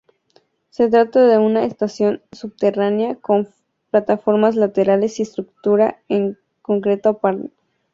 Se trata de una estación subterránea, con plataformas laterales y estructura en concreto aparente.